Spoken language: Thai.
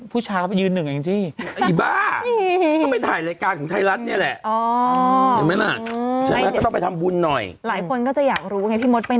ผู้ชายเขาเป็นยืนหนึ่งอย่างนี้